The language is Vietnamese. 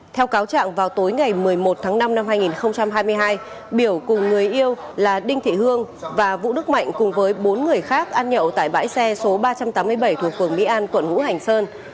theo cáo trạng vào tối ngày một mươi một tháng năm năm hai nghìn hai mươi hai biểu cùng người yêu là đinh thị hương và vũ đức mạnh cùng với bốn người khác ăn nhậu tại bãi xe số ba trăm tám mươi bảy thuộc phường mỹ an quận ngũ hành sơn